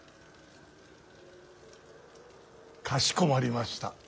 かしこまりました。